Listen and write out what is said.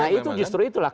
nah itu justru itulah